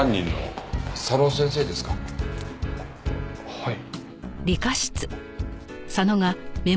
はい。